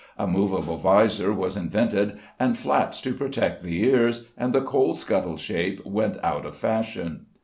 A movable vizor was invented and flaps to protect the ears, and the coal scuttle shape went out of fashion.